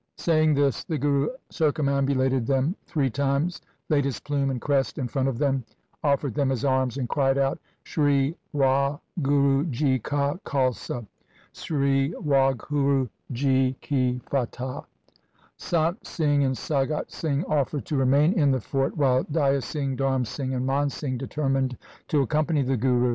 Saying this the Guru circumam bulated them three times, laid his plume and crest in front of them, offered them his arms, and cried out, ' Sri Wahguru ji ka Khalsa ! Sri Waghuru ji THE SIKH RELIGION ki fatah !' Sant Singh and Sangat Singh offered to remain in the fort while Day a Singh, Dharm Singh, and Man Singh determined to accompany the Guru.